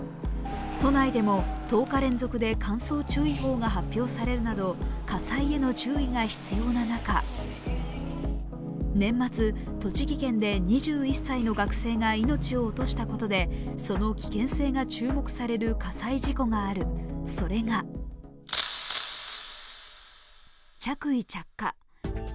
都内でも１０日連続で乾燥注意報が発表されるなど火災への注意が必要な中、年末、栃木県で２１歳の学生が命を落としたことでその危険性が注目される火災事故がある、それが着衣着火。